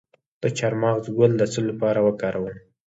د چارمغز ګل د څه لپاره وکاروم؟